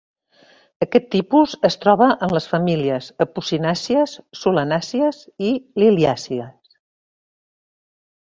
Aquest tipus es troba en les famílies apocinàcies, solanàcies, i liliàcies.